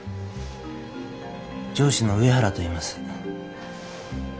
上司の上原といいます。